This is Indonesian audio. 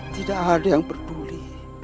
tidak ada yang berpuli